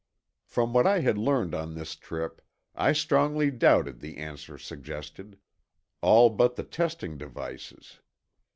From what I had learned on this trip, I strongly doubted the answer suggested. All but the "testing devices."